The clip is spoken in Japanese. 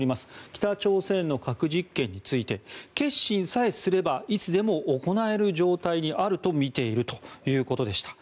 北朝鮮の核実験について決心さえすればいつでも行える状態にあると見ているということでした。